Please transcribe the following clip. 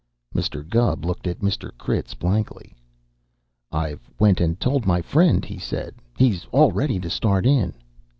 Mr. Gubb looked at Mr. Critz blankly. "I've went and told my friend," he said. "He's all ready to start in."